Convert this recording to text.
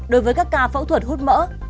đối với các ca phẫu thuật hút mỡ